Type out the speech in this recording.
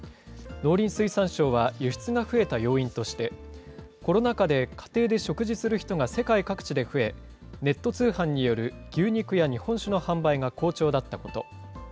農林水産省は輸出が増えた要因として、コロナ禍で家庭で食事する人が世界各地で増え、ネット通販による牛肉や日本酒の販売が好調だったこと。